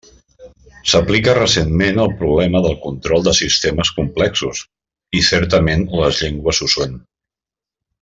S'aplica recentment al problema del control de sistemes complexos, i certament les llengües ho són.